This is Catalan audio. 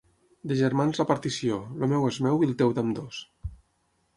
De germans la partició: el meu és meu i el teu d'ambdós.